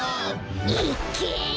いっけ！